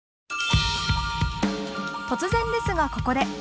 突然ですがここで「教えて！